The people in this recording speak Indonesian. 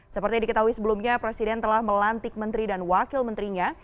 seperti diketahui sebelumnya presiden telah melantik menteri dan wakil menterinya